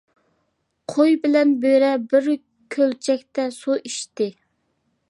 قوي بىلەن بۆرە بىر كۆلچەكتە سۇ ئىچتى.